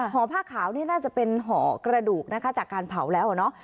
ผ้าขาวนี่น่าจะเป็นหอกระดูกนะคะจากการเผาแล้วอะเนาะ